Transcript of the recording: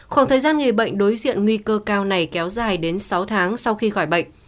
khoảng thời gian người bệnh đối diện nguy cơ cao này kéo dài đến sáu tháng sau khi khỏi bệnh